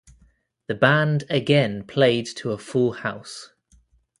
The band again played to a full house.